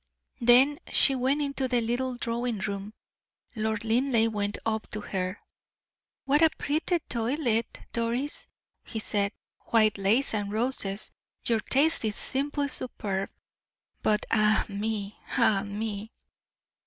Then she went into the little drawing room. Lord Linleigh went up to her. "What a pretty toilet, Doris," he said. "White lace and roses. Your taste is simply superb. But, ah, me! ah, me!"